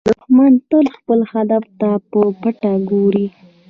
دښمن تل خپل هدف ته په پټه ګوري